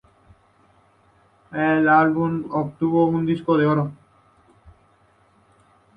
El álbum obtuvo un disco de oro.